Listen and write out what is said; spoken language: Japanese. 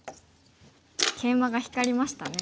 ケイマが光りましたね。